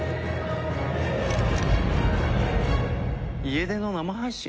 家出の生配信？